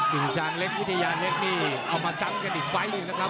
่งชางเล็กวิทยาเล็กนี่เอามาซ้ำกันอีกไฟล์หนึ่งนะครับ